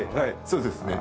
そうですね。